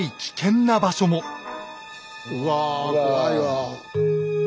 うわ怖いわ。